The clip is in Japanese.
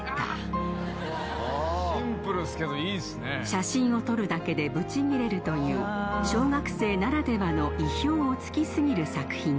［写真を撮るだけでブチギレるという小学生ならではの意表を突き過ぎる作品です］